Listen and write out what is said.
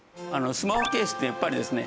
スマホケースってやっぱりですね